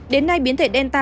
đến nay biến thể delta